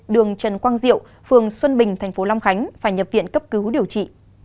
đường trần quang diệu phường xuân bình tp long khánh phải nhập viện cấp cứu điều trị